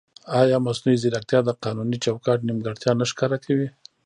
ایا مصنوعي ځیرکتیا د قانوني چوکاټ نیمګړتیا نه ښکاره کوي؟